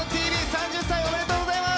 ３０歳、おめでとうございます。